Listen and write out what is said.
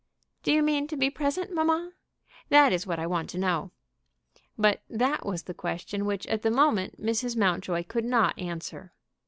"Do you mean to be present, mamma? That is what I want to know." But that was the question which at the moment Mrs. Mountjoy could not answer.